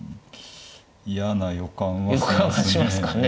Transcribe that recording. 嫌な予感はしますね。